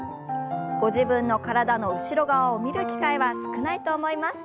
ご自分の体の後ろ側を見る機会は少ないと思います。